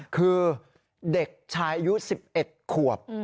คือเด็กชายอายุ๑๑ขวบ